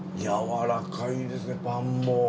やわらかいですねパンも。